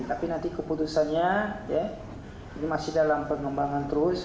tapi nanti keputusannya ini masih dalam pengembangan terus